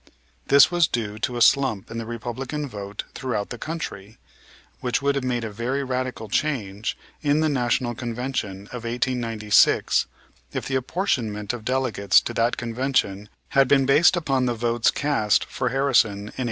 This was due to a slump in the Republican vote throughout the country, which would have made a very radical change in the National Convention of 1896 if the apportionment of delegates to that convention had been based upon the votes cast for Harrison in 1892.